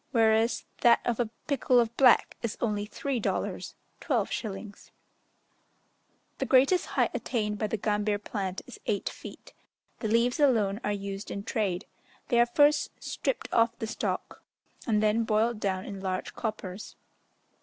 whereas that of a pikul of black is only three dollars (12s.). The greatest height attained by the gambir plant is eight feet. The leaves alone are used in trade: they are first stripped off the stalk, and then boiled down in large coppers.